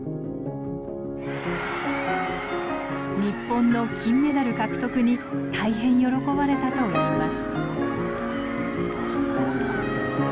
日本の金メダル獲得に大変喜ばれたといいます。